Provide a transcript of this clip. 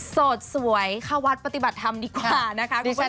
โสดสวยเข้าวัดปฏิบัติธรรมดีกว่านะคะคุณผู้ชม